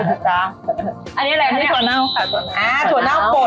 แล้วใส่ซุ่มกะหรี่ลงไปแล้วก็ตำด้วยสองยี่หลาดอันนี้อะไรอันนี้ถั่วเน่าค่ะ